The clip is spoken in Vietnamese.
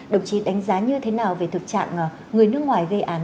đồng chí đánh giá như thế nào về thực trạng người nước ngoài gây án